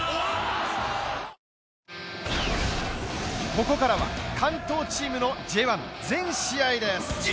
ここからは関東チームのＪ１、全試合です。